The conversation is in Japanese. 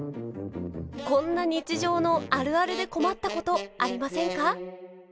こんな日常のあるあるで困ったことありませんか？